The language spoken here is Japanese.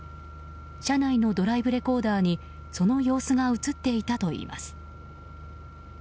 車内のドライブレコーダーにその様子が映っていたといいます。